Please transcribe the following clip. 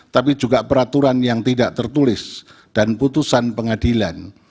tapi juga peraturan yang tidak tertulis dan putusan pengadilan